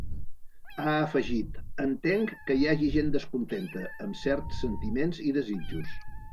Ha afegit: Entenc que hi hagi gent descontenta, amb certs sentiments i desitjos.